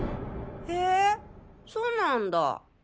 へそうなんだ。